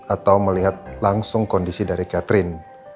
atau melihat langsung kondisi dari catherine